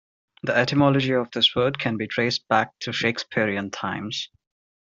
The etymology of this word can be traced back to Shakespearean times.